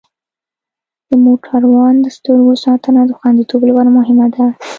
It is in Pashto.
د موټروان د سترګو ساتنه د خوندیتوب لپاره مهمه ده.